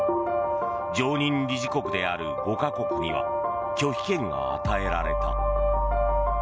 常任理事国である５か国には拒否権が与えられた。